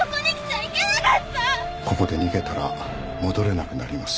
ここで逃げたら戻れなくなりますよ。